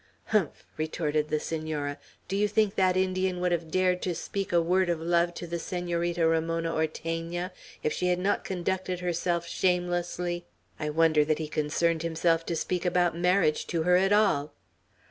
"Humph!" retorted the Senora; "do you think that Indian would have dared to speak a word of love to the Senorita Ramona Ortegna, if she had not conducted herself shamelessly? I wonder that he concerned himself to speak about marriage to her at all."